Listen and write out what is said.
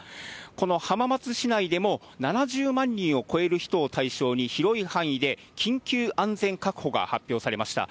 この浜松市内でも、７０万人を超える人を対象に、広い範囲で緊急安全確保が発表されました。